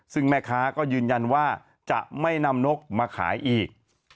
ซึ่งแม่ค้าก็ยืนยันว่าจะไม่นำนกมาขายอีก